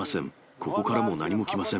ここからも何もきません。